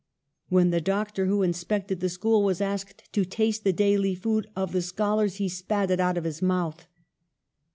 When the doctor who inspected the school was asked to taste the daily food of the scholars he spat it out of his mouth.